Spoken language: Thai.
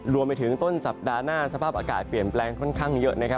รวมไปถึงต้นสัปดาห์หน้าสภาพอากาศเปลี่ยนแปลงค่อนข้างเยอะนะครับ